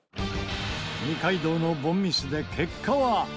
二階堂の凡ミスで結果は。